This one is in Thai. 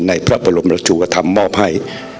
ในพระบรมรัชูธรรมมอบให้